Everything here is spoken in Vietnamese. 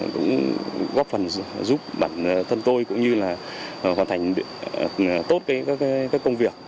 cũng góp phần giúp bản thân tôi cũng như là hoàn thành tốt các công việc